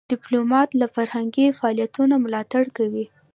ډيپلومات له فرهنګي فعالیتونو ملاتړ کوي.